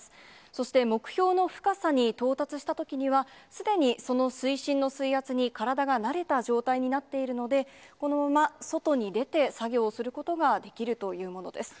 そして、目標の深さに到達したときには、すでにその水深の水圧に体が慣れた状態になっているので、このまま外に出て、作業をすることができるというものです。